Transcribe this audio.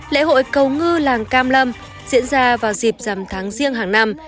lễ hội cầu ngư làng cam lâm diễn ra vào dịp dằm tháng riêng hàng năm